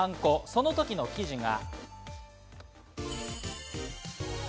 その時の記事が。